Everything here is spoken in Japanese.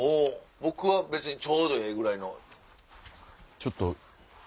僕は別にちょうどええぐらいの。